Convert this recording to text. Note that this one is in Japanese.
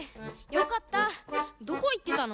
よかった。